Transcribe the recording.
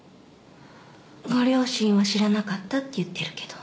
ご両親は知らなかったって言ってるけど。